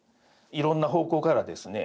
いろんな方向からですね